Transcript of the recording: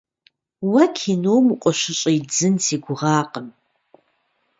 Уэ кином укъыщыщӏидзын си гугъакъым.